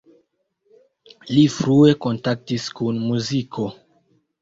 Li frue kontaktis kun muziko.